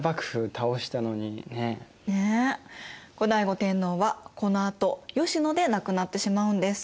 後醍醐天皇はこのあと吉野で亡くなってしまうんです。